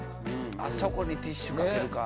あそこにティッシュ掛けるか。